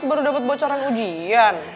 baru dapet bocoran ujian